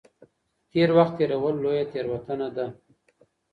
تېر وخت هېرول لويه تېروتنه ده.